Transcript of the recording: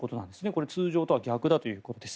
これ、通常とは逆だということです。